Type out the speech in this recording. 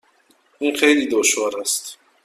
این خیلی دشوار است.